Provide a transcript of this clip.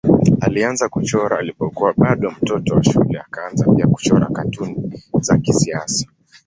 Alianza kuchora alipokuwa bado mtoto wa shule akaanza pia kuchora katuni za kisiasa.